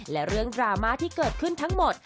และเรื่องดราม่าที่เกิดขึ้นทั้งหมด